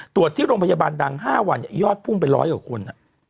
ตรวจที่โรงพยาบาลดัง๕วันยอดพุ่งไป๑๐๐กว่าคน